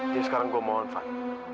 jadi sekarang gue mohon taufan